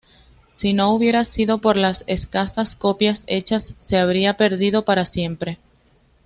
Sino hubiera sido por las escasas copias hechas se habría perdido para siempre.